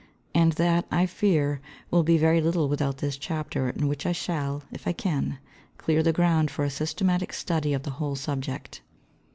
And that, I fear, will be very little without this chapter in which I shall, if I can, clear the ground for a systematic study of the whole subject.